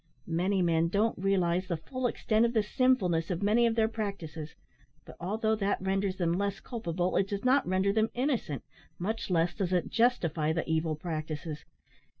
Many men don't realise the full extent of the sinfulness of many of their practices, but although that renders them less culpable, it does not render them innocent, much less does it justify the evil practices.